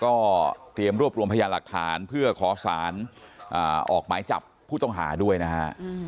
ก็เตรียมรวบรวมพยานหลักฐานเพื่อขอสารออกหมายจับผู้ต้องหาด้วยนะฮะ